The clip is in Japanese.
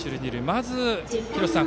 まず、廣瀬さん